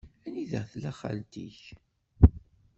Anida tella xalti-k?